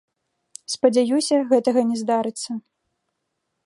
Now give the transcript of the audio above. Спадзяюся, гэтага не здарыцца.